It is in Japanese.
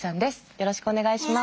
よろしくお願いします。